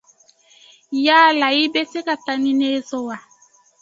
Yala i bɛ se ka taa ni ne ye so wa?